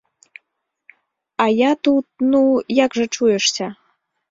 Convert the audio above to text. А я тут, ну, як жа чуешся?